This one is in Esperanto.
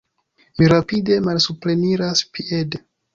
Mi rapide malsupreniras piede.